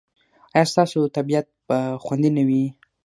ایا ستاسو طبیعت به خوندي نه وي؟